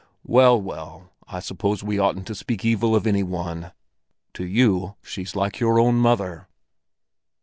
Well, well, I suppose we oughtn't to speak evil of any one; to you she's like your own mother!"